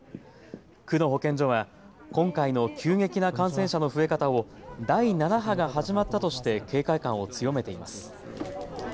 区の保健所は今回の急激な感染者の増え方を第７波が始まったとして警戒感を強めています。